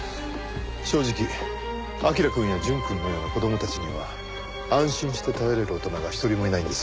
正直彬くんや淳くんのような子供たちには安心して頼れる大人が一人もいないんです。